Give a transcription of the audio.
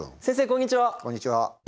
こんにちは。